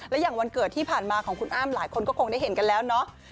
และอย่างวันเกิดที่ผ่านมาของคุณอ้ำหลายคนก็คงได้เห็นกันแล้วเนาะ